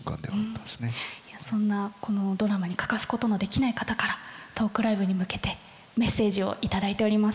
そんなこのドラマに欠かすことのできない方からトークライブに向けてメッセージを頂いております。